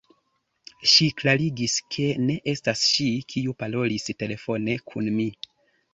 Ŝi klarigis, ke ne estas ŝi, kiu parolis telefone kun mi.